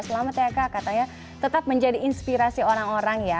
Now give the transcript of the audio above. selamat ya kak katanya tetap menjadi inspirasi orang orang ya